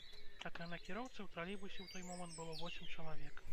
Акрамя кіроўцы, у тралейбусе ў той момант было восем чалавек.